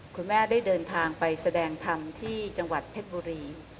คุณแม่ได้เดินทางไปแสดงธรรมที่จังหวัดเพชรบุรี